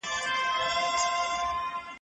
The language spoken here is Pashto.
څنګه سوداګریزه لار پر نورو هیوادونو اغیز کوي؟